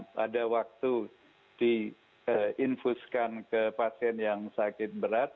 pada waktu diinfuskan ke pasien yang sakit berat